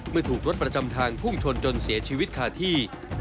เมื่อถูกรถประจำทางพุ่งชนจนเสียชีวิตคาที่